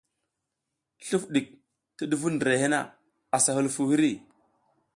Sluf ɗik ti duvuɗ ndirehe na, a hulufuw hiri.